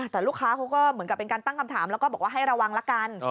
แต่ลูกค้าเขาก็เหมือนกับเป็นการตั้งคำถามแล้วก็บอกว่าให้ระวังละกัน